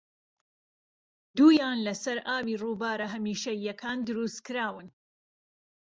دوویان لەسەر ئاوی رووبارە هەمیشەییەکان دروستکراون